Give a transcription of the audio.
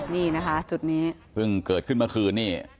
นี่นะคะจุดนี้เพิ่งเกิดขึ้นเมื่อคืนนี่